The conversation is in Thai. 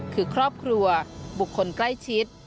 คือครอบครัวบุคคลใกล้ชิด